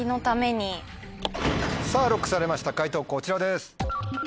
さぁＬＯＣＫされました解答こちらです。